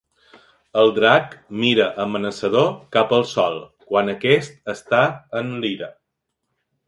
El Drac mira amenaçador cap al Sol quan aquest està en Lira.